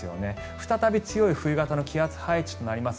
再び強い冬型の気圧配置となります。